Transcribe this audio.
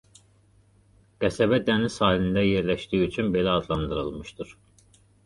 Qəsəbə dəniz sahilində yerləşdiyi üçün belə adlandırılmışdır.